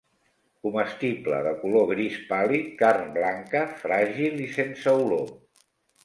Comestible, de color gris pàl·lid, carn blanca, fràgil i sense olor.